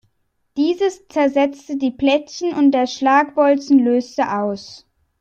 Dieses zersetzte die Plättchen und der Schlagbolzen löste aus.